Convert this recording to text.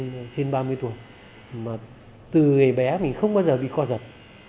hai mươi tuổi trở lên trên ba mươi tuổi từ ngày bé mình không bao giờ bị co giật